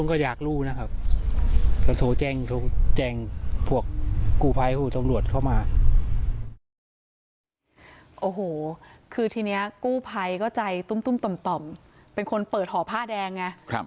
โอ้โหคือทีนี้กู้ภัยก็ใจตุ้มต่อมเป็นคนเปิดห่อผ้าแดงไง